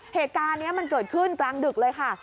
เหตุการณ์นี้มันเกิดขึ้นกลางดึกเลยค่ะ